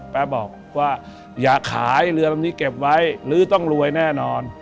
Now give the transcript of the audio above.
บอกว่าอยากขายเรือแบบนี้เก็บไว้หรือต้องรวยแน่นอน